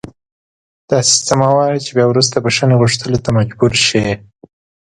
داسې څه مه وایه چې بیا وروسته بښنې غوښتلو ته مجبور شې